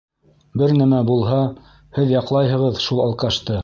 Бер нәмә булһа, һеҙ яҡлайһығыҙ шул алкашты!